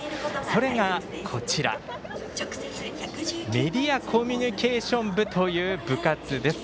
それがメディアコミュニケーション部という部活です。